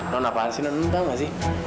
lo napaan sih non lo tau gak sih